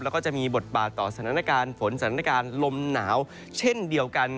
แล้วก็จะมีบทบาทต่อสถานการณ์ฝนสถานการณ์ลมหนาวเช่นเดียวกัน